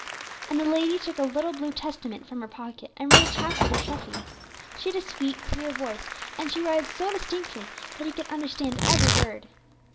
And the lady took a little blue Testament from her pocket, and read a chapter to Treffy. She had a sweet, clear voice, and she read so distinctly that he could understand every word.